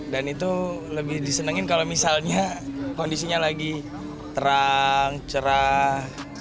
dan itu lebih disenangin kalau misalnya kondisinya lagi terang cerah